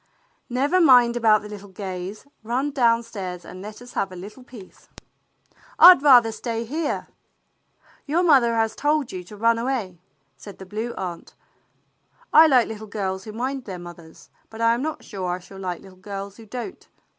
"Never mind about the little Gays. Run down stairs and let us have a little peace." "I'd rather stay here." "Your mother has told you to run away," said the Blue Aunt. " I like little girls who mind their mothers, but I am not sure I shall like little girls who don't.